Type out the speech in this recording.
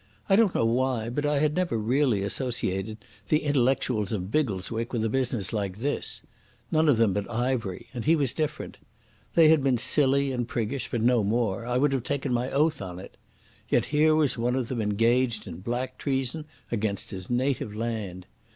I don't know why, but I had never really associated the intellectuals of Biggleswick with a business like this. None of them but Ivery, and he was different. They had been silly and priggish, but no more—I would have taken my oath on it. Yet here was one of them engaged in black treason against his native land.